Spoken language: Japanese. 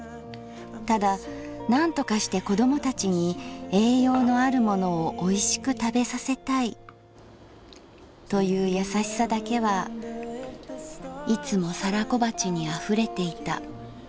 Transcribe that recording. ただなんとかして子供たちに栄養のあるものをおいしく食べさせたいというやさしさだけはいつも皿小鉢に溢れていた」。